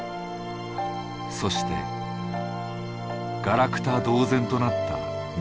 そしてガラクタ同然となった燃料タンク。